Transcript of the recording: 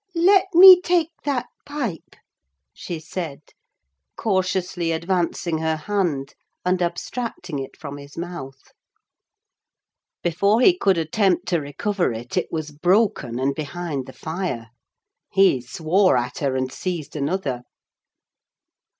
"Let me take that pipe," she said, cautiously advancing her hand and abstracting it from his mouth. Before he could attempt to recover it, it was broken, and behind the fire. He swore at her and seized another.